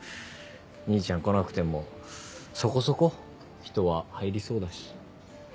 兄ちゃん来なくてもそこそこ人は入りそうだし。